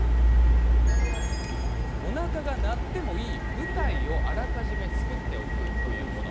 おなかが鳴ってもいい舞台をあらかじめ作っておくということ。